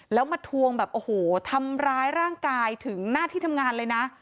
แล้วมาทวงแบบโอ้โหทำร้ายร่างกายถึงหน้าที่ทำงานเลยนะ